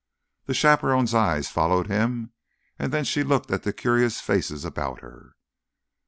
The chaperone's eyes followed him, and then she looked at the curious faces about her.